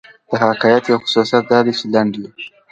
د حکایت یو خصوصیت دا دئ، چي لنډ يي.